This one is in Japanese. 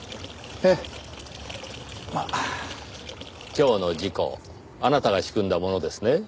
今日の事故あなたが仕組んだものですね？